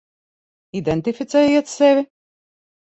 Identificējiet sevi.